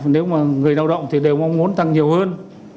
nếu mà người lao động thì đều mong muốn tăng nhiều hơn